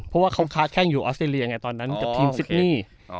เพราะว่าเขาค้าแข้งอยู่ออสเตรเลียไงตอนนั้นกับทีมซิดนี่